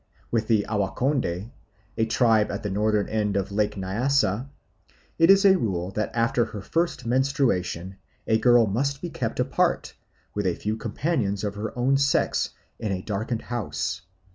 With the Awa nkonde, a tribe at the northern end of Lake Nyassa, it is a rule that after her first menstruation a girl must be kept apart, with a few companions of her own sex, in a darkened house.